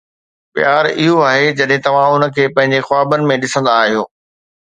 پيار اهو آهي جڏهن توهان ان کي پنهنجي خوابن ۾ ڏسندا آهيو.